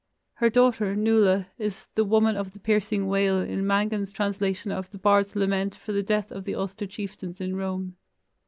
Her daughter, Nuala, is the "woman of the piercing wail" in Mangan's translation of the bard's lament for the death of the Ulster chieftains in Rome.